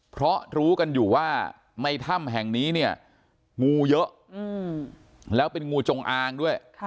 เพราะรู้กันอยู่ว่าในถ้ำแห่งนี้เนี่ยงูเยอะแล้วเป็นงูจงอางด้วย